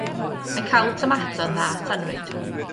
Mae cawl tomato yn dda at annwyd.